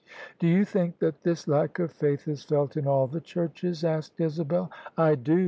" Do you think that this lack of faith is felt in all the Churches?" asked Isabel. " I do.